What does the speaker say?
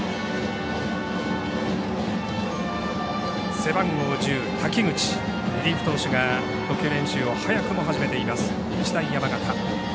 背番号１０、滝口リリーフ投手が投球練習を早くも始めています、日大山形。